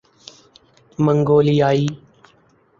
منگولیائی